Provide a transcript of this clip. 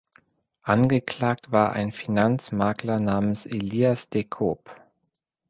Angeklagt war ein Finanzmakler namens Elias de Koop.